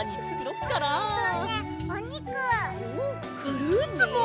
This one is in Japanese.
フルーツも！